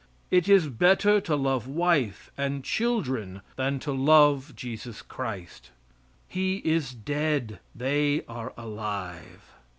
It is better to love wife and children than to love Jesus Christ, He is dead; they are alive.